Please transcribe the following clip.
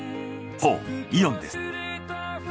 そうイオンです。